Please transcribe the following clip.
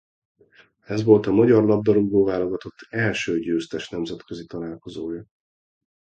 Ez volt a magyar labdarúgó-válogatott első győztes nemzetközi találkozója.